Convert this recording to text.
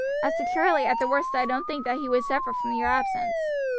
As to Charlie, at the worst I don't think that he would suffer from your absence.